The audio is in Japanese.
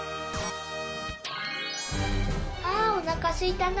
あおなかすいたな。